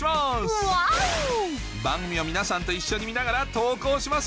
番組を皆さんと一緒に見ながら投稿しますよ！